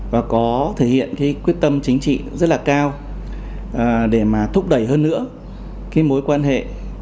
và có thể hiện quyết tâm chính trị rất là cao để thúc đẩy hơn nữa mối quan hệ